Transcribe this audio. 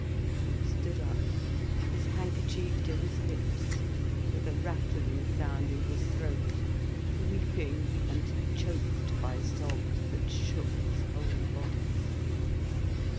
He stood up, his handkerchief to his lips, with a rattling sound in his throat, weeping, and choked by sobs that shook his whole body.